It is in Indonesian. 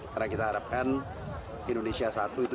karena kita harapkan indonesia satu itu